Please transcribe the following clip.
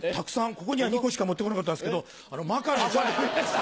ここには２個しか持って来なかったんですけどマカロン頂きました。